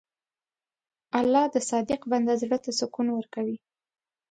الله د صادق بنده زړه ته سکون ورکوي.